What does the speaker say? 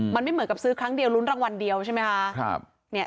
มันไม่เหมือนกับซื้อครั้งเดียวลุ้นรางวัลเดียวใช่ไหมคะ